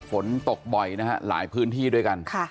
ฝนตกบ่อยนะฮะหลายพื้นที่ด้วยกัน